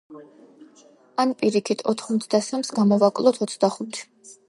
ან პირიქით, ოთხმოცდასამს გამოვაკლოთ ოცდახუთი.